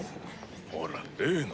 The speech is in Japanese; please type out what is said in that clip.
ほら例の。